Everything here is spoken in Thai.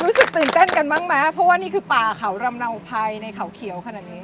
รู้สึกตื่นเต้นกันบ้างไหมเพราะว่านี่คือป่าเขารำเนาภัยในเขาเขียวขนาดนี้